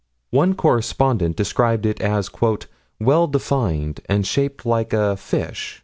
One correspondent describes it as "well defined and shaped like a fish...